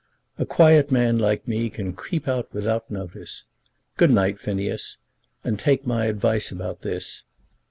A quiet man like me can creep out without notice. Good night, Phineas, and take my advice about this.